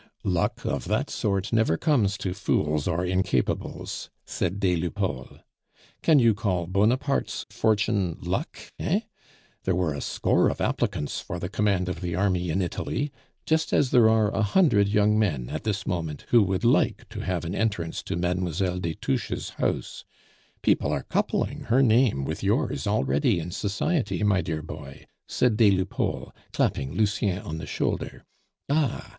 "Luck of that sort never comes to fools or incapables," said des Lupeaulx. "Can you call Bonaparte's fortune luck, eh? There were a score of applicants for the command of the army in Italy, just as there are a hundred young men at this moment who would like to have an entrance to Mlle. des Touches' house; people are coupling her name with yours already in society, my dear boy," said des Lupeaulx, clapping Lucien on the shoulder. "Ah!